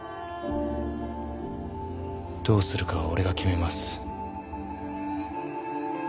どうするかは俺が決めます。